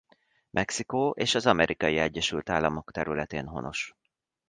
Mexikó és az Amerikai Egyesült Államok területén honos.